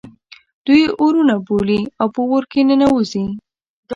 دوی اورونه بلوي او په اور کې ننوزي.